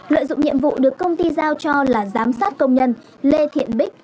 lợi dụng nhiệm vụ được công ty giao cho là giám sát công nhân lê thiện bích